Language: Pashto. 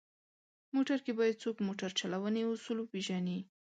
موټر کې باید څوک موټر چلونې اصول وپېژني.